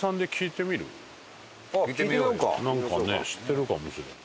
なんかね知ってるかもしれない。